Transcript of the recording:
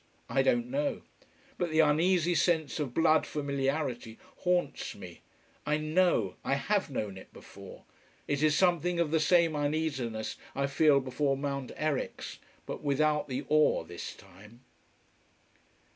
I don't know. But the uneasy sense of blood familiarity haunts me. I know I have known it before. It is something of the same uneasiness I feel before Mount Eryx: but without the awe this time.